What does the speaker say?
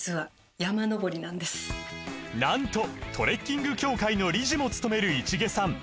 実はなんとトレッキング協会の理事もつとめる市毛さん